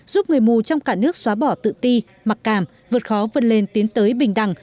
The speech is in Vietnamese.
giúp người mù trong cả nước xóa bỏ tự ti mặc cảm vượt khó vươn lên tiến tới bình đẳng